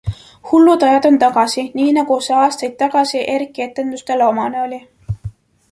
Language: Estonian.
Hullud ajad on tagasi, nii nagu see aastaid tagasi ERKI etendustele omane oli!